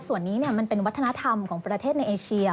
ส่วนนี้มันเป็นวัฒนธรรมของประเทศในเอเชีย